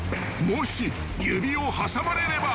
［もし指を挟まれれば］